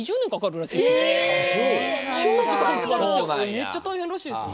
めっちゃ大変らしいですよ。